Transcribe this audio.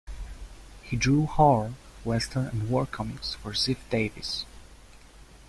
He drew horror, Western and war comics for Ziff-Davis.